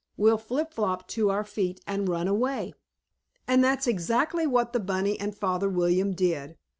We'll flip flop to our feet and run away." And that's exactly what the bunny and Father William did.